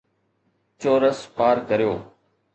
چورس پار ڪريو